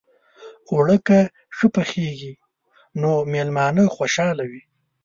اوړه که ښه پخېږي، نو میلمانه خوشحاله وي